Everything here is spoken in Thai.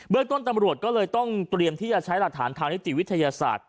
เรื่องต้นตำรวจก็เลยต้องเตรียมที่จะใช้หลักฐานทางนิติวิทยาศาสตร์